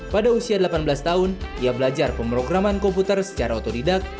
pada usia delapan belas tahun ia belajar pemrograman komputer secara otodidak